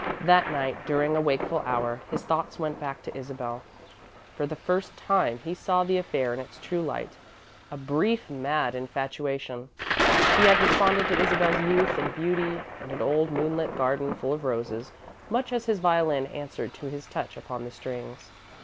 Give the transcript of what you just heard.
That night, during a wakeful hour, his thoughts went back to Isabel. For the first time, he saw the affair in its true light a brief, mad infatuation. He had responded to Isabel's youth and beauty and an old moonlit garden full of roses much as his violin answered to his touch upon the strings.